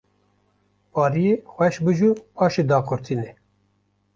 pariyê xweş bicû paşê daqurtîne